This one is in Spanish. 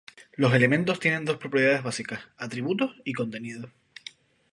Los elementos tienen dos propiedades básicas: atributos y contenido.